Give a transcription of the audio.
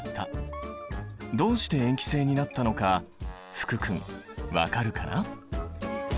どうして塩基性になったのか福君分かるかな？